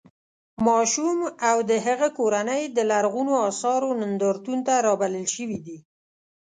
ماشوم او د هغه کورنۍ د لرغونو اثارو نندارتون ته رابلل شوي دي.